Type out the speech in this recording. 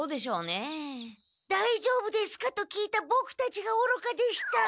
「だいじょうぶですか？」と聞いたボクたちがおろかでした。